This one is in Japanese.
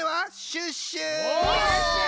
シュッシュ！